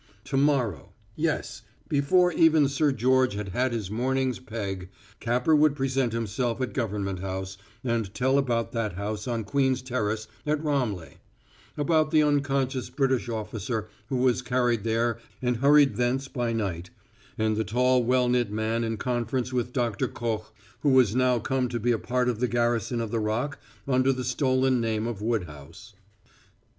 To morrow yes, before ever Sir George had had his morning's peg, Capper would present himself at Government House and tell about that house on Queen's Terrace at Ramleh; about the unconscious British officer who was carried there and hurried thence by night, and the tall well knit man in conference with Doctor Koch who was now come to be a part of the garrison of the Rock under the stolen name of Woodhouse.